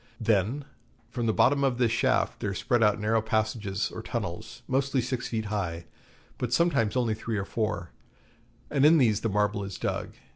Then from the bottom of this shaft there spread out narrow passages or tunnels, mostly six feet high, but sometimes only three or four, and in these the marble is dug.